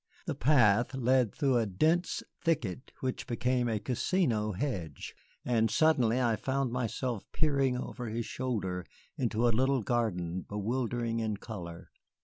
The path led through a dense thicket which became a casino hedge, and suddenly I found myself peering over his shoulder into a little garden bewildering in color.